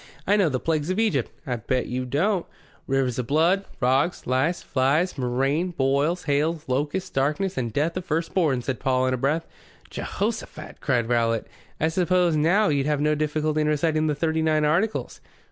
"I know the Plagues of Egypt." "I bet you don't." "Rivers of Blood, Frogs, Lice, Flies, Murrain, Boils, Hails, Locusts, Darkness and Death of Firstborn," said Paul, in a breath. "Jehosaphat!" cried Rowlatt. "I suppose now you'd have no difficulty in reciting the Thirty nine Articles."